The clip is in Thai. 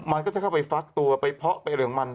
มันก็จะเข้าไปฟักตัวไปเพาะไปเหลืองมัน